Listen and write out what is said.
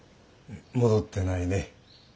戻ってないね。